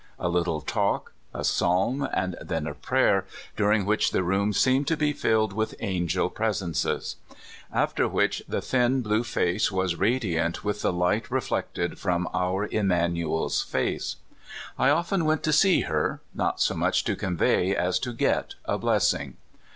A little talk, a psalm, and then a prayer, during which the room seemed to be filled with angel presences; after which the thin, pale face was radiant with the light reflected from our Im manual's face. I often went to see her, not so much to convey as to get a blessing.